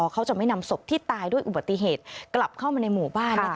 เขาจะไม่นำศพที่ตายด้วยอุบัติเหตุกลับเข้ามาในหมู่บ้าน